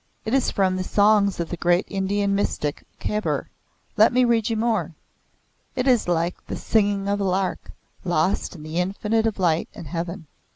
"It is from the songs of the great Indian mystic Kabir. Let me read you more. It is like the singing of a lark, lost in the infinite of light and heaven."